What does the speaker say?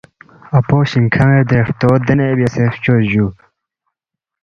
اپو شِنگ کھنی دے ہرتو دینے بیاسے فچوس جُو